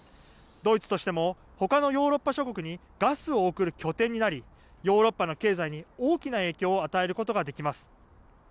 ドイツとしてもほかのヨーロッパ諸国にガスを送る拠点になりヨーロッパの経済に大きな影響を与えることができます。